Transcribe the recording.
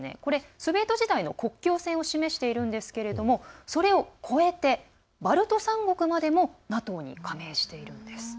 ソビエト時代の国境線を示しているんですがそれを越えてバルト３国までもＮＡＴＯに加盟しているんです。